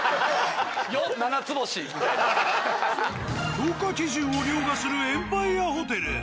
評価基準を凌駕するエンパイアホテル。